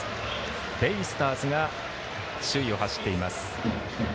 ベイスターズが首位を走っています。